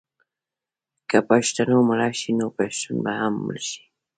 که پښتو مړه شي نو پښتون به هم مړ شي.